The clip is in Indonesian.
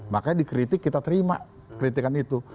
makanya dikritik kita terima kritikan itu